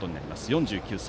４９歳。